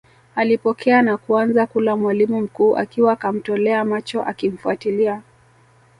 Alipokea na kuanza kula mwalimu mkuu akiwa kamtolea macho akimfuatilia